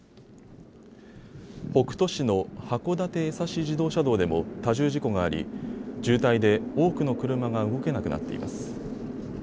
北斗市の函館江差自動車道でも多重事故があり渋滞で多くの車が動けなくなっています。